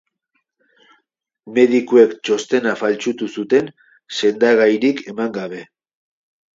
Medikuek txostena faltsutu zuten, sendagairik eman gabe.